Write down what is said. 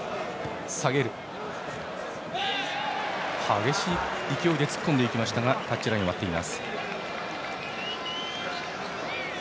激しい勢いで突っ込んでいきましたがタッチラインを割っています。